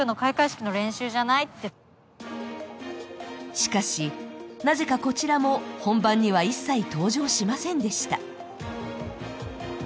しかし、なぜかこちらも本番には一切登場しませんでした。